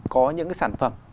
có những cái sản phẩm